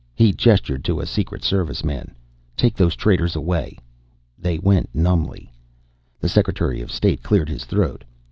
He gestured to a Secret Serviceman. "Take those traitors away." They went, numbly. The Secretary of State cleared his throat. "Mr.